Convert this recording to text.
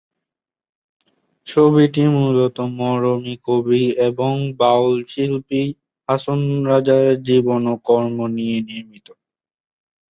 ছবিটি মূলত মরমী কবি এবং বাউল শিল্পী হাছন রাজার জীবন ও কর্ম নিয়ে নির্মিত।